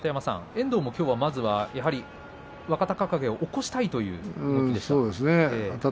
遠藤もきょうは若隆景を起こしたいという動きでした。